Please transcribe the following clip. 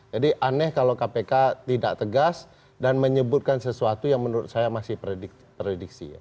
jadi aneh kalau kpk tidak tegas dan menyebutkan sesuatu yang menurut saya masih prediksi